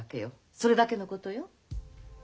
それだけのことよ。